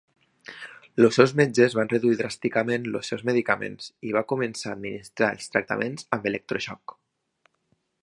Els seus metges van reduir dràsticament els seus medicaments i va començar a administrar els tractaments amb ELECTROSHOCK.